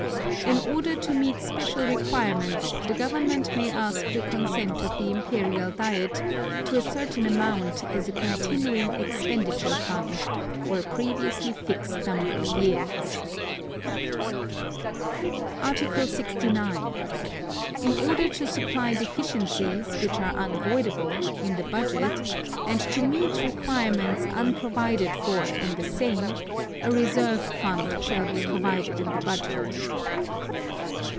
In order to meet special requirements, the Government may ask the consent of the Imperial Diet to a certain amount as a Continuing Expenditure Fund, for a previously fixed number of years. Article 69. In order to supply deficiencies, which are unavoidable, in the Budget, and to meet requirements unprovided for in the same, a Reserve Fund shall be provided in the Budget.